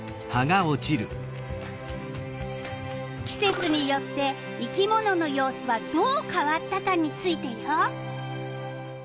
季節によって生き物の様子はどう変わったかについてよ。